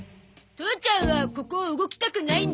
父ちゃんはここを動きたくないんだって。